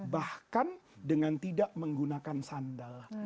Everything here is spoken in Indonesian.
bahkan dengan tidak menggunakan sandal